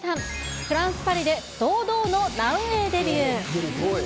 フランス・パリで堂々のランウエーデビュー。